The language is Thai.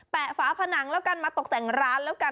ะฝาผนังแล้วกันมาตกแต่งร้านแล้วกัน